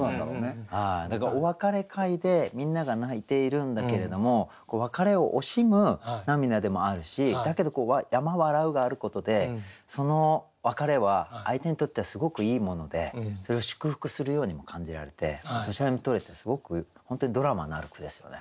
だからお別れ会でみんなが泣いているんだけれども別れを惜しむ涙でもあるしだけど「山笑ふ」があることでその別れは相手にとってはすごくいいものでそれを祝福するようにも感じられてどちらにもとれてすごく本当にドラマのある句ですよね。